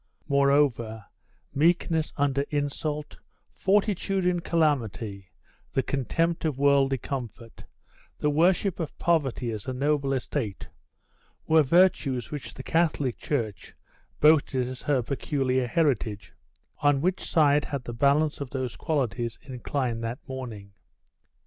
Moreover, meekness under insult, fortitude in calamity, the contempt of worldly comfort, the worship of poverty as a noble estate, were virtues which the Church Catholic boasted as her peculiar heritage: on which side had the balance of those qualities inclined that morning?